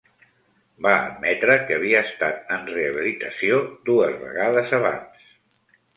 Va admetre que havia estat en rehabilitació dues vegades abans.